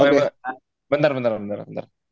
oke bentar bentar bentar